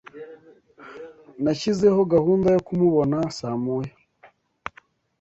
Nashyizeho gahunda yo kumubona saa moya.